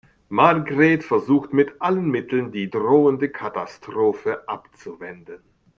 Margret versucht mit allen Mitteln, die drohende Katastrophe abzuwenden.